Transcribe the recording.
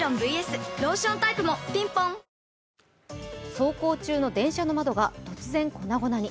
走行中の電車の窓が突然、粉々に。